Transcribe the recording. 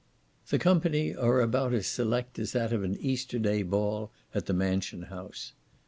The company are about as select as that of an Easter day ball at the Mansion house.